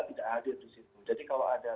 tidak hadir di situ jadi kalau ada